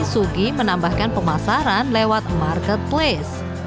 sugi menambahkan pemasaran lewat marketplace